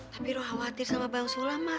tapi rom khawatir sama bang sulam mak